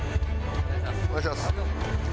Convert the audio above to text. お願いします。